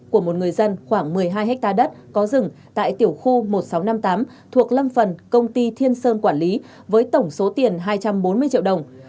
của một người dân khoảng một mươi hai hectare đất có rừng tại tiểu khu một nghìn sáu trăm năm mươi tám thuộc lâm phần công ty thiên sơn quản lý với tổng số tiền hai trăm bốn mươi triệu đồng